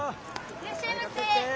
いらっしゃいませ！